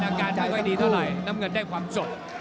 อาการไม่ค่อยดีเท่าไหร่น้ำเงินได้ความสด